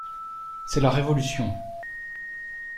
C’est la révolution.